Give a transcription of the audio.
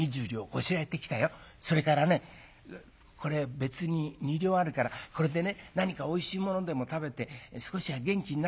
それからねこれ別に２両あるからこれでね何かおいしいものでも食べて少しは元気になっておくれよ。